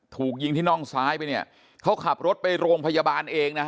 ถูกยิงที่น่องซ้ายไปเนี่ยเขาขับรถไปโรงพยาบาลเองนะฮะ